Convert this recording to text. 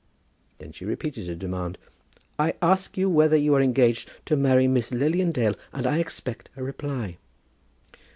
Then she repeated her demand. "I ask you whether you are engaged to marry Miss Lilian Dale, and I expect a reply."